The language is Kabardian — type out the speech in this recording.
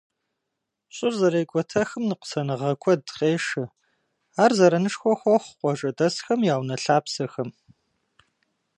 Щӏыр зэрекӏуэтэхым ныкъусаныгъэ куэд къешэ, ар зэранышхуэ хуохъу къуажэдэсхэм я унэ-лъапсэхэм.